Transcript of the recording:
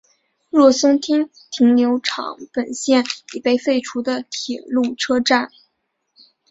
若松町停留场本线已被废除的铁路车站。